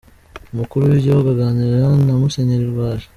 Umukuru w’ igihugu aganira na Musenyeri Rwaje.